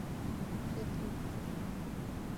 তিনি খ্যাত।